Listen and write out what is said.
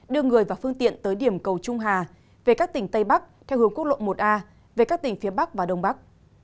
đưa người và phương tiện tới điểm cầu trung hà về các tỉnh tây bắc theo hướng quốc lộ một a về các tỉnh phía bắc và đông bắc